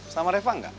sama reva enggak